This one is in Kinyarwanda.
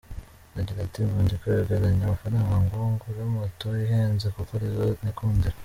Agira ati "Ubu ndi kwegeranya amafaranga ngo ngure moto ihenze kuko ari zo nikundira.